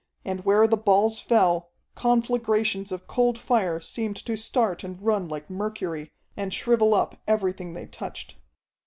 And where the balls fell, conflagrations of cold fire seemed to start and run like mercury, and shrivel up everything they touched.